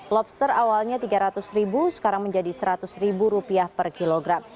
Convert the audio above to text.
lobster awalnya rp tiga ratus sekarang menjadi rp seratus per kilogram